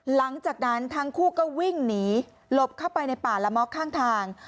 หลังจากนั้นทั้งคู่ก็วิ่งหนีหลบเข้าไปในป่าละม้อข้างทาง